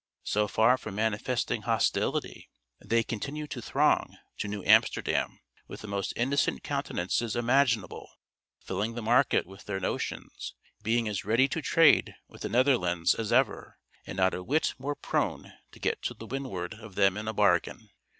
So far from manifesting hostility, they continued to throng to New Amsterdam with the most innocent countenances imaginable, filling the market with their notions, being as ready to trade with the Netherlands as ever, and not a whit more prone to get to the windward of them in a bargain.